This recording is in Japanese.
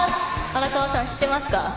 荒川さん、知ってますか？